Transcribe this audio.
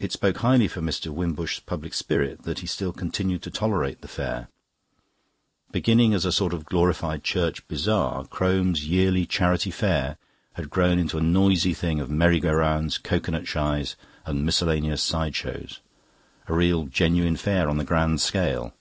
It spoke highly for Mr. Wimbush's public spirit that he still continued to tolerate the Fair. Beginning as a sort of glorified church bazaar, Crome's yearly Charity Fair had grown into a noisy thing of merry go rounds, cocoanut shies, and miscellaneous side shows a real genuine fair on the grand scale.